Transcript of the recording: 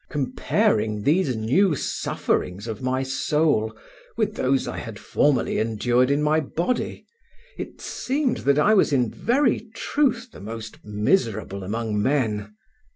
Comparing these new sufferings of my soul with those I had formerly endured in my body, it seemed that I was in very truth the most miserable among men.